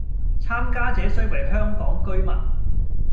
參加者須為香港居民